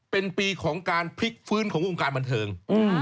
เป็นปีของการพลิกฟื้นของวงการบันเทิง